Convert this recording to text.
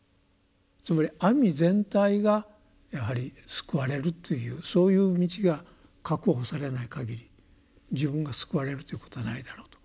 つまり網全体がやはり救われるというそういう道が確保されないかぎり自分が救われるということはないだろうと。